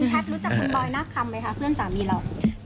คุณแพทย์รู้จักคุณบอยหน้าคำไหมคะเพื่อนสามีเหรอ